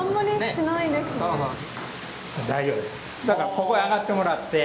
ここへ上がってもらって。